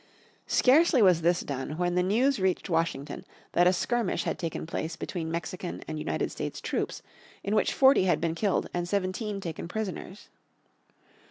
Scarcely was this done when the news reached Washington that a skirmish had taken place between Mexican and United States troops, in which forty had been killed, and seventeen taken prisoners.